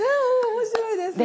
面白いですね。